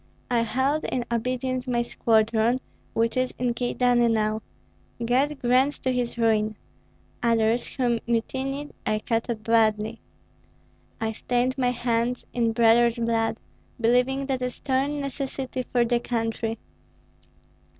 I held in obedience my squadron, which is in Kyedani now, God grant to his ruin! Others, who mutinied, I cut up badly. I stained my hands in brothers' blood, believing that a stern necessity for the country.